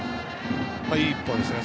いい１本ですね。